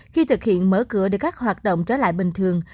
khi thực hiện mở cửa để các hoạt động trở lại bình thường